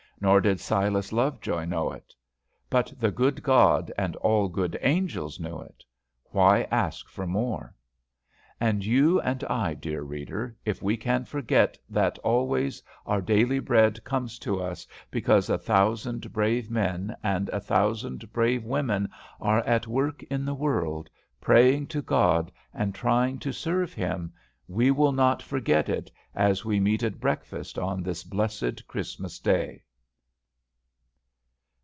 Nor did Silas Lovejoy know it. But the good God and all good angels knew it. Why ask for more? And you and I, dear reader, if we can forget that always our daily bread comes to us, because a thousand brave men and a thousand brave women are at work in the world, praying to God and trying to serve him, we will not forget it as we meet at breakfast on this blessed Christmas day!